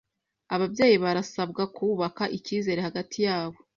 Ababyeyi barasabwa kubaka icyizere hagati yabo